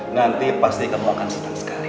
nanti pasti kamu akan senang sekali